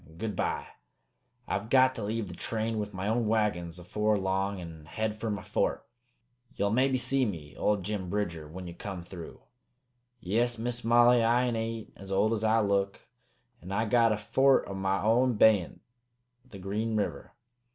Good by. I've got to leave the train with my own wagons afore long an' head fer my fort. Ye'll maybe see me old Jim Bridger when ye come through. "Yes, Miss Molly, I ain't as old as I look, and I got a fort o' my own beyant the Green River.